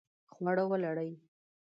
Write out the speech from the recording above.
خواړه ولړئ